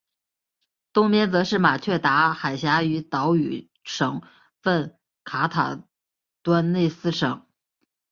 东边则是马却达海峡与岛屿省份卡坦端内斯省。